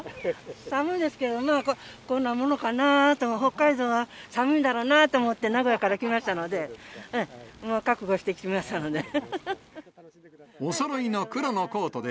寒いですけど、まあ、こんなものかなと、北海道は寒いだろうなと思って、名古屋から来ましたので、もう覚悟して来ましたので。